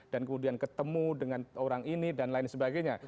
dan kemudian ketemu dengan orang ini dan lain sebagainya